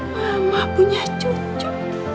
mama punya cucu